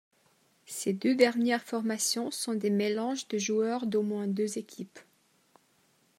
Ces deux dernières formations sont des mélanges de joueurs d'au moins deux équipes.